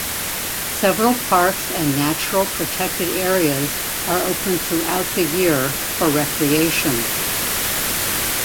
Several parks and natural protected areas are open throughout the year for recreation.